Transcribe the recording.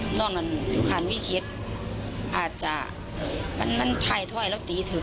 ช่วยเร่งจับตัวคนร้ายให้ได้โดยเร่งจับตัวคนร้ายให้ได้โดยเร่ง